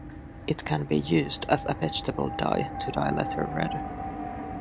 It can be used as a vegetable dye to dye leather red.